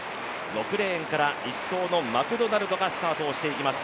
６レーンから１走のマクドナルドがスタートしていきます。